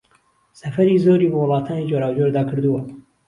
سەفەری زۆری بە وڵاتانی جۆراوجۆردا کردووە